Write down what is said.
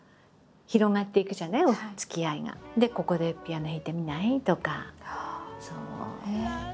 「ここでピアノ弾いてみない？」とか。